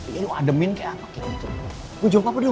ya ya lo ademin kayak apa gitu